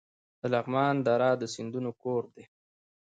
د لغمان دره د سیندونو کور دی